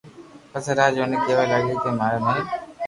پسي راج اوني ڪيوا لاگيو ڪي ماري مھل